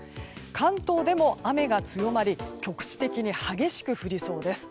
関東でも雨が強まり局地的に激しく降りそうです。